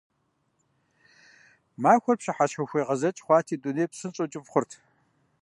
Махуэр пщыхьэщхьэ хуегъэзэкӀ хъуати, дунейр псынщӀэу кӀыфӀ хъурт.